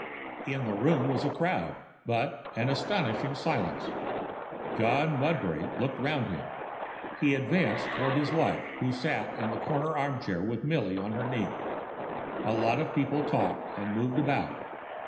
In the room was a crowd, but an astounding silence. John Mudbury looked round him. He advanced towards his wife, who sat in the corner arm chair with Milly on her knee. A lot of people talked and moved about.